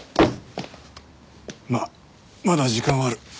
まあまだ時間はある。